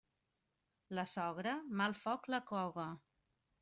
La sogra, mal foc la coga.